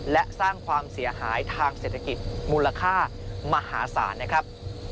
และสร้างความเสียหายทางเศรษฐกิจมูลค่ามหาศาลนะครับ